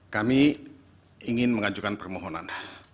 kami ingin mengajukan permohonan